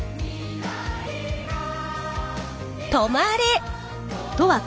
「止まれ」。